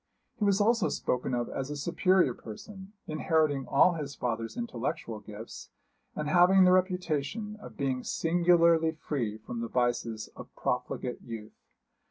He was also spoken of as a superior person, inheriting all his father's intellectual gifts, and having the reputation of being singularly free from the vices of profligate youth.